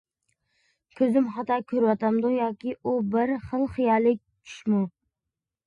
كۆزۈم خاتا كۆرۈۋاتامدۇ ياكى بۇ بىر خىل خىيالى چۈشمۇ؟ !